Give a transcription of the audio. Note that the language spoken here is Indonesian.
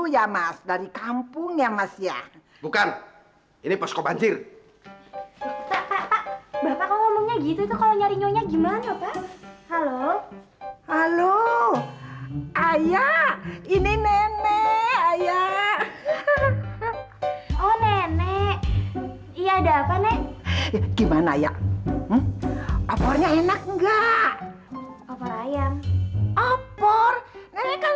jangan coba coba mendekat